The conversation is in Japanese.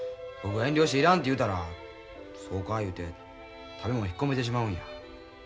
僕が遠慮していらんと言うたらそうか言うて食べ物引っ込めてしまうんや。